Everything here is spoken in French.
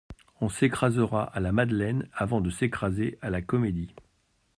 On s'écrasera à la Madeleine, avant de s'écraser à la Comédie.